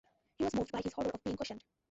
He was moved by his horror of being questioned.